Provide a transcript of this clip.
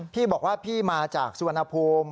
พี่บอกว่าพี่มาจากสุวรรณภูมิ